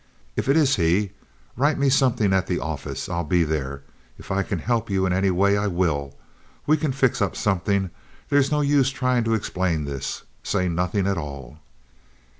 If it is he, write me something at the office. I'll be there. If I can help you in any way, I will. We can fix up something. There's no use trying to explain this. Say nothing at all."